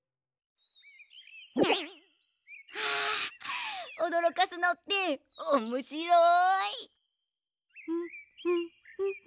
あおどろかすのっておもしろい！